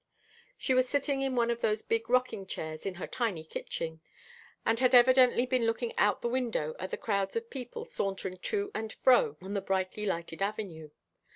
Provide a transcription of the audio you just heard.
She was sitting in one of the big rocking chairs in her tiny kitchen, and had evidently been looking out the window at the crowds of people sauntering to and fro on the brightly lighted avenue.